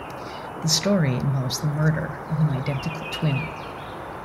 The story involves the murder of an identical twin.